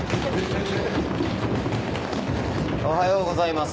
おはようございます。